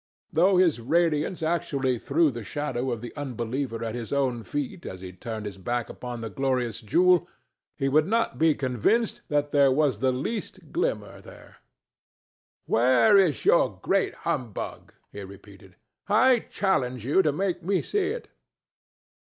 Though its radiance actually threw the shadow of the unbeliever at his own feet as he turned his back upon the glorious jewel, he would not be convinced that there was the least glimmer there. "Where is your great humbug?" he repeated. "I challenge you to make me see it."